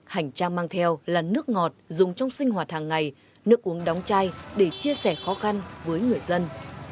hành trang mang theo là nước ngọt dùng trong sinh hoạt hàng ngày nước uống đóng chai để chia sẻ khó khăn với người dân